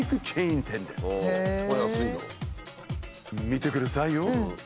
見てくださいよ。